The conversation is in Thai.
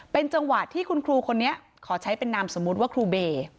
เป็นจังหวะที่คุณครูคนนี้ขอใช้เป็นนามสมมุติว่าครูเบย์